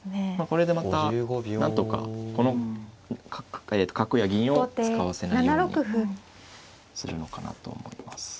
これでまたなんとかこの角や銀を使わせないようにするのかなと思います。